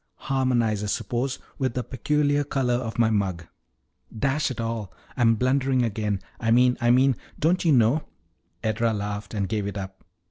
harmonize, I suppose, with the peculiar color of my mug. Dash it all, I'm blundering again! I mean I mean don't you know " Edra laughed and gave it up.